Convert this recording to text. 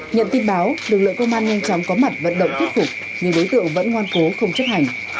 nhận tin báo lực lượng công an nhanh chóng có mặt vận động thuyết phục nhưng đối tượng vẫn ngoan cố không chấp hành